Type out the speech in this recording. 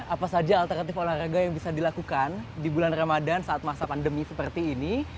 apa saja alternatif olahraga yang bisa dilakukan di bulan ramadan saat masa pandemi seperti ini